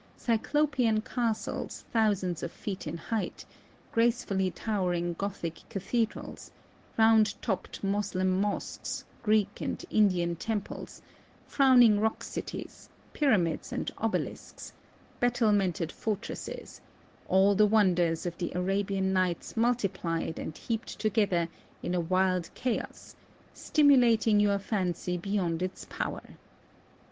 Cyclopean castles thou sands of feet in height, gracefully towering gothic cathedrals, round topped Moslem mosques, Greek and Indian temples, frown ing rock cities, pyramids, and obelisks, battlemented fortresses, all the wonders of the Arabian Nights nmltii)lied and heaped to gether in a wild chaos, stimulating 3'our fancy beyond its power.